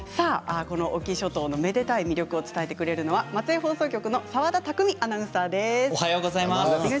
隠岐諸島のめでたい魅力を伝えてくれるのは松江放送局の澤田拓海アナウンサーです。